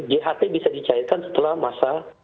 jht bisa dicairkan setelah masa